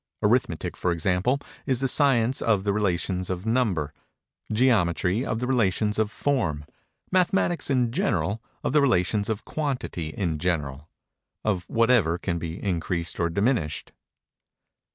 Arithmetic, for example, is the science of the relations of number—Geometry, of the relations of form—Mathematics in general, of the relations of quantity in general—of whatever can be increased or diminished.